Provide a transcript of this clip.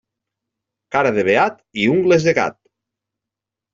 Cara de beat i ungles de gat.